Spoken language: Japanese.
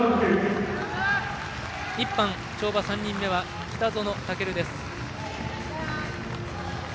１班、跳馬３人目は北園丈琉です。